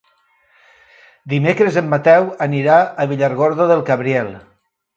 Dimecres en Mateu anirà a Villargordo del Cabriel.